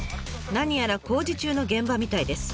何やら工事中の現場みたいです。